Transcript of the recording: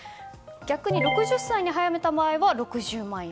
逆に６０歳に早めた場合は６０万円。